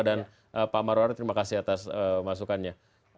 dan pak marwari terima kasih atas masukannya